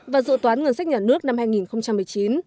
và dự toán ngân sách nhà nước năm hai nghìn một mươi chín